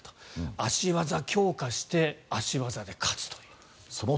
足技を強化して足技で勝つという。